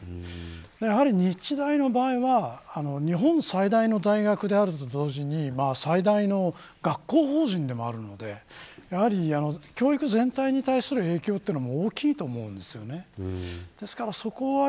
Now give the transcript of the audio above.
やはり日大の場合は日本最大の大学であると同時に最大の学校法人でもあるので教育全体に対する影響も大きいと思います。